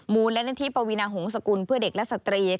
มูลและหน้าที่ปวินาหงษกุลเพื่อเด็กและสตรี